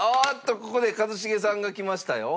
ここで一茂さんがきましたよ。